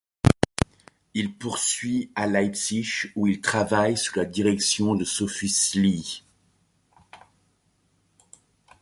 Il poursuit à Leipzig, où il travaille sous la direction de Sophus Lie.